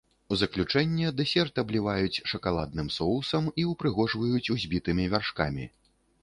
У заключэнне дэсерт абліваюць шакаладным соусам і ўпрыгожваюць узбітымі вяршкамі.